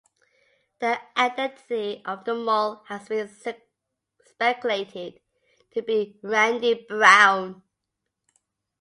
The identity of the mole has been speculated to be Randy Brown.